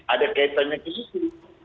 ada kaitannya di situ